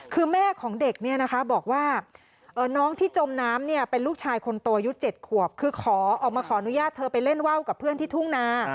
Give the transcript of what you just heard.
คือแม่ของเด็กเนี่ยนะคะบอกว่าน้องที่จมน้ำเนี่ยเป็นลูกชายคนโตอายุ๗ขวบคือขอออกมาขออนุญาตเธอไปเล่นว่าวกับเพื่อนที่ทุ่งนา